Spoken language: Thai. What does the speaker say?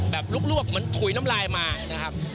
ลวกเหมือนถุยน้ำลายมานะครับ